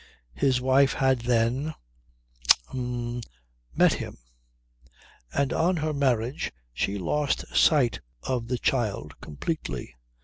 His wife had then h'm met him; and on her marriage she lost sight of the child completely.